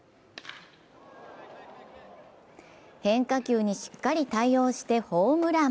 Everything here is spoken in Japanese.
変化球にしっかり対応してホームラン。